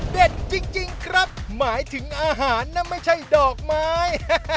จริงครับหมายถึงอาหารนะไม่ใช่ดอกไม้